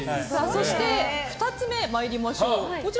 そして２つ目、参りましょう。